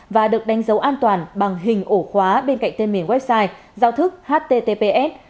và được đánh dấu an toàn bằng hình ổ khóa bên cạnh tên miền website giao thức https